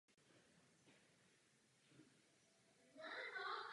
Zároveň tento zákon zakázal vyhození nebo sesazení úředníků z politických důvodů.